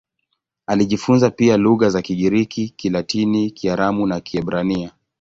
Alijifunza pia lugha za Kigiriki, Kilatini, Kiaramu na Kiebrania.